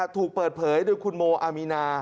ถูกเปิดเผยโดยคุณโมอามีนา